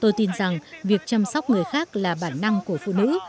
tôi tin rằng việc chăm sóc người khác là bản năng của phụ nữ